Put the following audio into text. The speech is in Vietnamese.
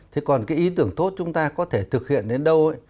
thế còn cái ý tưởng tốt chúng ta có thể thực hiện đến đâu ấy